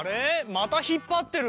またひっぱってる！